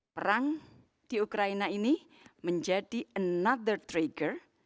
perang di ukraina ini menjadi trigger lainnya